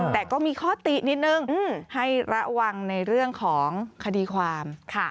แต่ก็มีข้อตินิดนึงให้ระวังในเรื่องของคดีความ